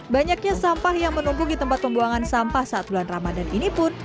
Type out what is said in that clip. banyaknya sampah yang menumpuk di tempat pembuangan sampah saat bulan ramadan ini pun